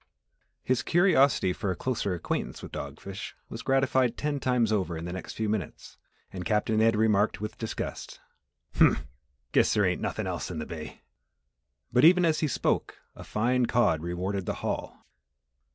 His curiosity for a closer acquaintance with dog fish was gratified ten times over in the next few minutes and Captain Ed remarked with disgust, "Humph! Guess their ain't nuthin' else in the bay." But even as he spoke, a fine cod rewarded the haul.